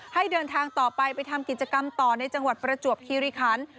ให้เดินทางต่อไปไปทำกิจกรรมต่อในจังหวัดประจวบคิริคัน